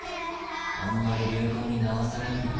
あんまり流行に流されんなよ。